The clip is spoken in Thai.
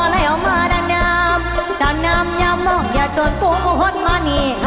ตลอดทักแม่เจ้าโทษละนี้